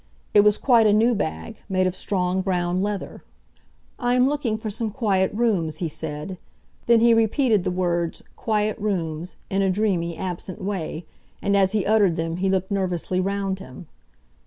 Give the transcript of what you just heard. It was quite a new bag, made of strong brown leather. "I am looking for some quiet rooms," he said; then he repeated the words, "quiet rooms," in a dreamy, absent way, and as he uttered them he looked nervously round him.